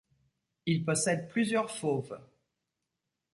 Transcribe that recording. Ils possèdent plusieurs fauves.